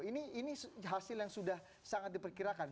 ini hasil yang sudah sangat diperkirakan